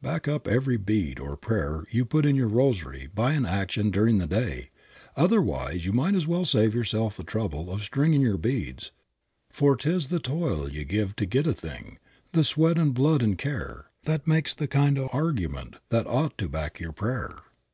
Back up every "bead," or prayer you put in your rosary by action during the day, otherwise you might as well save yourself the trouble of stringing your beads, for "It's the toil ye give t' get a thing the sweat an' blood an' care That makes the kind o' argument that ought to back yer prayer."